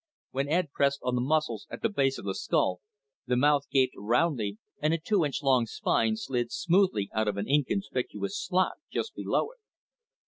When Ed pressed on the muscles at the base of the skull, the mouth gaped roundly and a two inch long spine slid smoothly out of an inconspicuous slot just below it.